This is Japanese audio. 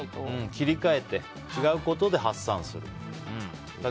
切り替えて違うことで発散する。